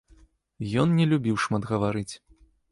Ён не любіў шмат гаварыць.